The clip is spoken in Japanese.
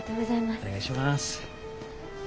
お願いします。